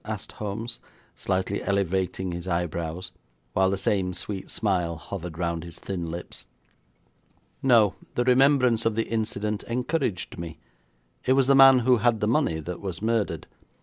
asked Holmes, slightly elevating his eyebrows, while the same sweet smile hovered round his thin lips. 'No; the remembrance of the incident encouraged me. It was the man who had the money that was murdered.